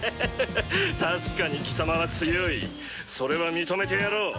確かに貴様は強いそれは認めてやろう。